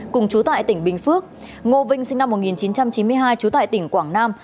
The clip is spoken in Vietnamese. cùng chú tại tỉnh bình phước ngô vinh sinh năm một nghìn chín trăm chín mươi hai trú tại tỉnh quảng nam